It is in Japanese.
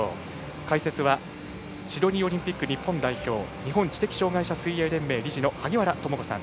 解説はシドニーオリンピック日本代表日本知的障害者水泳連盟理事の萩原智子さん。